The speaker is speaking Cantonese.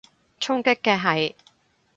衝擊嘅係？